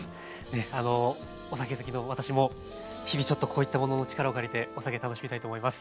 あのお酒好きの私も日々ちょっとこういったものの力を借りてお酒楽しみたいと思います。